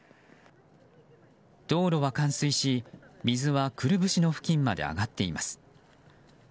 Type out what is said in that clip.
道路は冠水し水はくるぶしの付近まで上がっています。